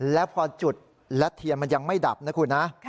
แล้วพอจุดและเทียนมันยังไม่ดับนะคุณนะ